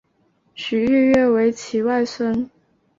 许育瑞为其外孙。